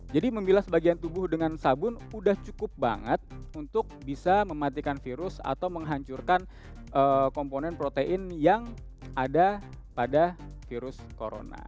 jadi membilas bagian tubuh dengan sabun udah cukup banget untuk bisa mematikan virus atau menghancurkan komponen protein yang ada pada virus corona